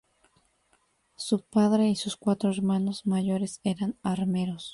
Su padre y sus cuatro hermanos mayores eran armeros.